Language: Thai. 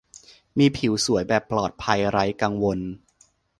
มีผิวสวยแบบปลอดภัยไร้กังวล